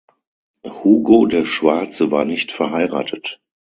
Hugo der Schwarze war nicht verheiratet.